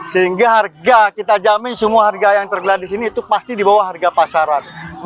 sehingga harga kita jamin semua harga yang tergelar di sini itu pasti di bawah harga pasaran